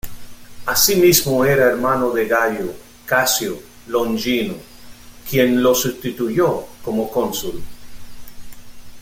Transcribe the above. Asimismo era hermano de Gayo Casio Longino, quien lo sustituyó como cónsul.